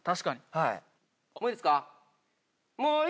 はい。